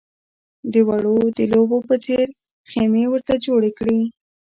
د وړو د لوبو په څېر خېمې ورته جوړې کړې.